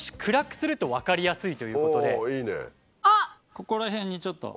ここら辺にちょっと。